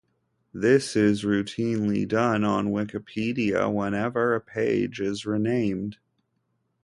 This is routinely done on Wikipedia whenever a page is renamed.